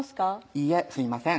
「いいえ吸いません」